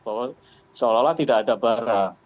bahwa seolah olah tidak ada barang